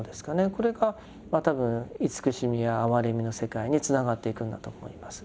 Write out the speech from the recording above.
これが多分慈しみや哀れみの世界につながっていくんだと思います。